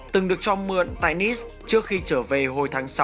từng được cho mượn tại nis trước khi trở về hồi tháng sáu